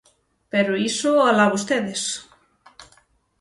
Pero iso, ¡alá vostedes!